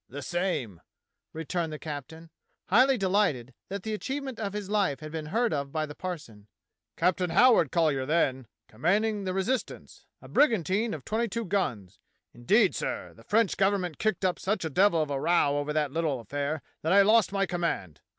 "The same," returned the captain, highly delighted that the achievement of his life had been heard of by the parson. "Captain Howard Collyer then, com manding the Resistance, a brigantine of twenty two guns. Indeed, sir, the French Government kicked up such a devil of a row over that little affair that I lost my command.